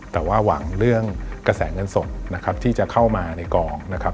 แต่ว่าหวังเรื่องกระแสเงินสดนะครับที่จะเข้ามาในกองนะครับ